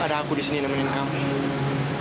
ada aku di sini nemenin kampung